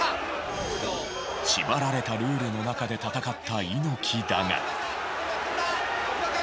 縛られたルールの中で戦った猪木だが。